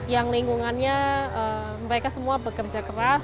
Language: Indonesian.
yang lingkungannya mereka semua bekerja keras